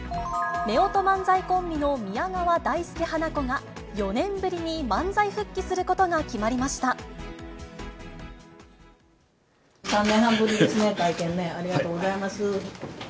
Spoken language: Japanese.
めおと漫才コンビの宮川大助・花子が４年ぶりに漫才復帰すること３年半ぶりですね、会見ね、ありがとうございます。